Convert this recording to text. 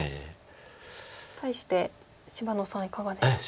対して芝野さんいかがでしょうか？